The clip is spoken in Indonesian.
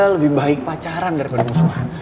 lebih baik pacaran daripada musuhan